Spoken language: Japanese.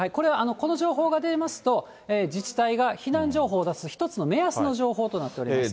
この情報が出ますと、自治体が避難情報を出す一つの目安の情報となっております。